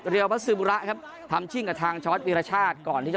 เรียวพระซึบุระทำชิ้นกับทางโชฮัตว์วิรชาติ